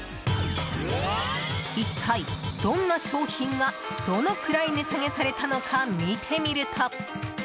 一体、どんな商品がどのくらい値下げされたのか、見てみると。